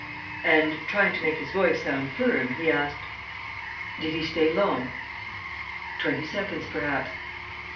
And, trying to make his voice sound firm, he asked: "Did he stay long?" "Twenty seconds, perhaps."